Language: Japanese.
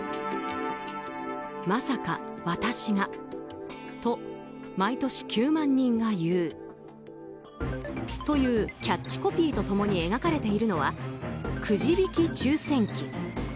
「“まさか、私が”と毎年９万人が言う」というキャッチコピーとともに描かれているのはくじ引き抽選器。